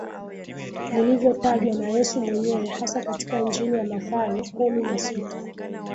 lilivyotajwa na Yesu mwenyewe hasa katika Injili ya Mathayo kumi na sita